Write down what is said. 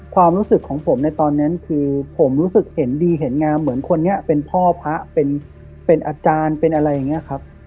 ความรู้สึกของผมในตอนนั้นคือผมรู้สึกเห็นดีเห็นงามเหมือนคนนี้เป็นพ่อพระเป็นอาจารย์เป็นอะไรอย่างนี้ครับ